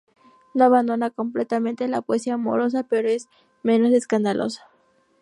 No abandona completamente la poesía amorosa, pero es menos escandaloso.